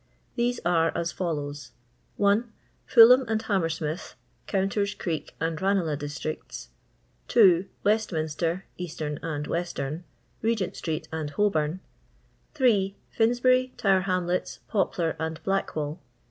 These are as follows :— 1. Fulham and Hammersmith, Counter's Creek and Banelagh districts. 2. Westminster (Eastern and Western), Ba gent street, and Holbom. 8. Finsbury, Tower Hamlets, Poplar, and BUckwall.